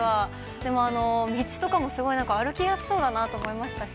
でも、道とかもすごい歩きやすそうだなと思いましたし。